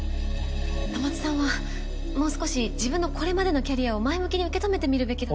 戸松さんはもう少し自分のこれまでのキャリアを前向きに受け止めてみるべきだと。